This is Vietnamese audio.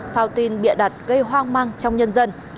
phao tin bịa đặt gây hoang mang trong nhân dân